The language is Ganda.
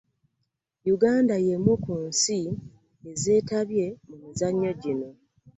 Uganda, y'emu ku nsi ezeetabye mu mizannyo gino